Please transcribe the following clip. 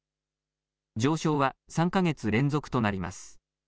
上昇は３か月連続となります。